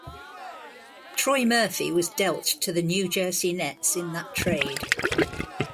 Troy Murphy was dealt to the New Jersey Nets in that trade.